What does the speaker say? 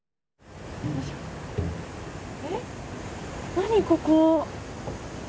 何、ここ。